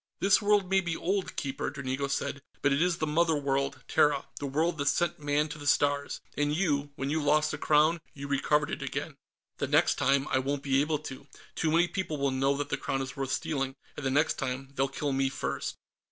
"This world may be old, Keeper," Dranigo said, "but it is the Mother World, Terra, the world that sent Man to the Stars. And you when you lost the Crown, you recovered it again." "The next time, I won't be able to. Too many people will know that the Crown is worth stealing, and the next time, they'll kill me first."